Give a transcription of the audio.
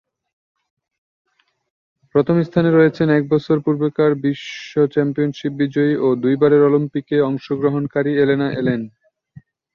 প্রথম স্থানে রয়েছেন এক বছর পূর্বেকার বিশ্ব চ্যাম্পিয়নশিপ বিজয়ী ও দুইবারের অলিম্পিকে অংশগ্রহণকারী এলেনা এলেন।